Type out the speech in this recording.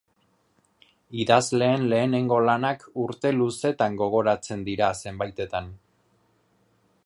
Idazleen lehenengo lanak urte luzetan gogoratzen dira zenbaitetan.